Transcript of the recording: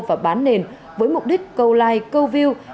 và bán nền với mục đích câu like